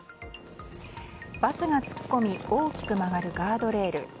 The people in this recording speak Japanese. バスが突っ込み大きく曲がるガードレール。